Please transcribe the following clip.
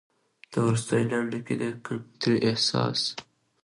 په وروستۍ لنډۍ کې د کمترۍ د احساس